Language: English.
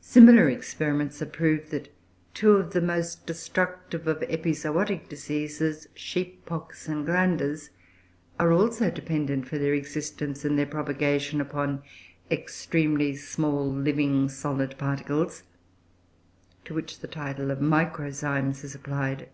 Similar experiments have proved that two of the most destructive of epizootic diseases, sheep pox and glanders, are also dependent for their existence and their propagation upon extremely small living solid particles, to which the title of microzymes is applied.